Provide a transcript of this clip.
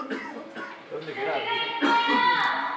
釘がいっぱいだ！